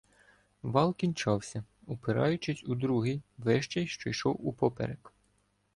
Вал кінчався, упираючись у другий, вищий, що йшов упоперек.